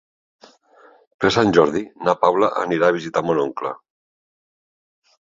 Per Sant Jordi na Paula anirà a visitar mon oncle.